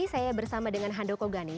saya bersama dengan hando kogani